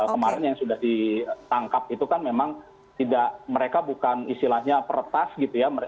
kemarin yang sudah ditangkap itu kan memang tidak mereka bukan istilahnya peretas gitu ya